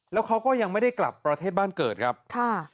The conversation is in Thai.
แล้วเขาก็ยังไม่ได้กลับประเทศบ้านเกิดครับค่ะ